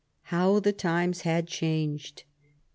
How the times had changed